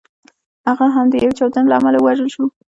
هغه هم د یوې چاودنې له امله ووژل شو.